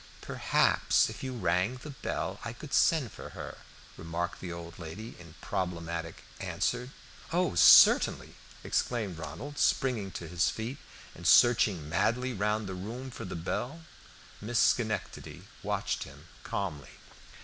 "Perhaps if you rang the bell I could send for her," remarked the old lady in problematic answer. "Oh, certainly!" exclaimed Ronald, springing to his feet, and searching madly round the room for the bell. Miss Schenectady watched him calmly.